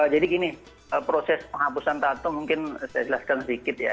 jadi gini proses penghapusan tato mungkin saya jelaskan sedikit ya